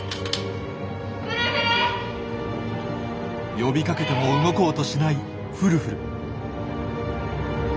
呼びかけても動こうとしないフルフル。